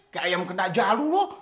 kayak ayam kena jalur lo